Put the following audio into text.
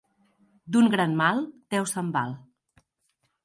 D'un gran mal, Déu se'n val.